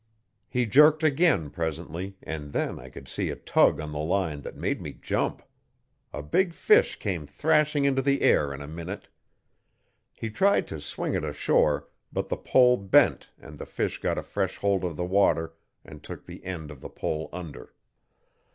He jerked again presently, and then I could see a tug on the line that made me jump. A big fish came thrashing into the air in a minute. He tried to swing it ashore, but the pole bent and the fish got a fresh hold of the water and took the end of the pole under.